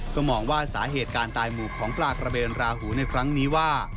ก็มองว่าสาเหตุการตายหมู่ของปลากระเบนราหูในครั้งนี้ว่า